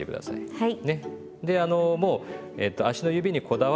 はい。